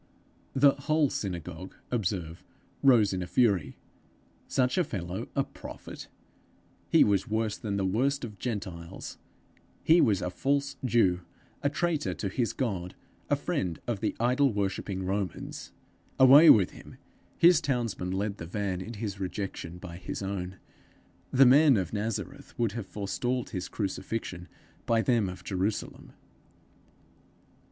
The whole synagogue, observe, rose in a fury. Such a fellow a prophet! He was worse than the worst of Gentiles! he was a false Jew! a traitor to his God! a friend of the idol worshipping Romans! Away with him! His townsmen led the van in his rejection by his own. The men of Nazareth would have forestalled his crucifixion by them of Jerusalem.